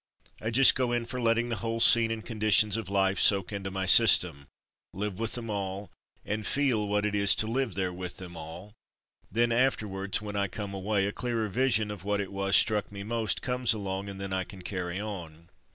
I just go in for letting the whole scene and conditions of life soak into my system; live with them all, and feel what it is to live there with them all, then after wards when I come away, a clearer vision of what it was struck me most comes along and then I can carry on.